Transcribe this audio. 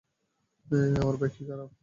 আমার ভাই কি খারাপ?